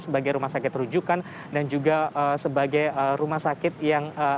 sebagai rumah sakit rujukan dan juga sebagai rumah sakit yang